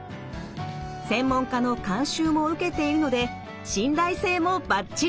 専門家の監修も受けているので信頼性もバッチリ！